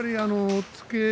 押っつけ